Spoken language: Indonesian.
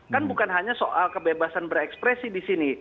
kan bukan hanya soal kebebasan berekspresi di sini